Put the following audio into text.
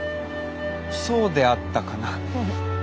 そうであったかな。